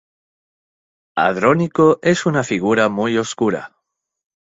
Andrónico es una figura muy oscura.